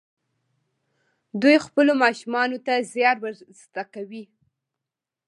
دوی خپلو ماشومانو ته زیار ور زده کوي.